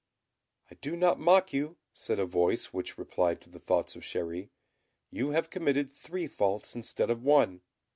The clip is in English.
"I do not mock you," said a voice which replied to the thoughts of Chéri. "You have committed three faults instead of one.